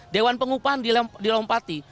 dewan pengupahan dilompati